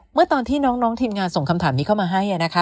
เมื่อตอนที่น้องทีมงานส่งคำถามนี้เข้ามาให้นะคะ